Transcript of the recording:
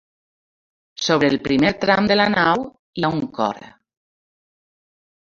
Sobre el primer tram de la nau, hi ha un cor.